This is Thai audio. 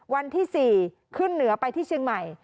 วันที่๔ขึ้นเหนือไปที่เชียงใหม่